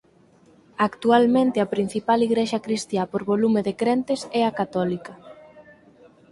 Actualmente a principal igrexa cristiá por volume de crentes é a Católica.